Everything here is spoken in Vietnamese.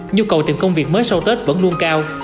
nhu cầu tìm công việc mới sau tết vẫn luôn cao